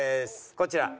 こちら。